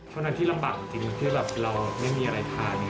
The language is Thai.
เท่านั้นที่ลำบากจริงที่แบบเราไม่มีอะไรทาน